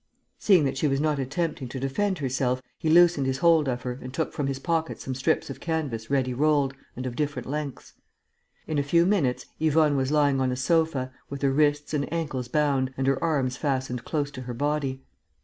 Seeing that she was not attempting to defend herself, he loosened his hold of her and took from his pocket some strips of canvas ready rolled and of different lengths. In a few minutes, Yvonne was lying on a sofa, with her wrists and ankles bound and her arms fastened close to her body.